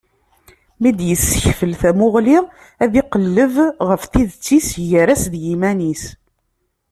Mi d-yessekfel tamuɣli, ad iqelleb ɣef tidet-is gar-as d yiman-is.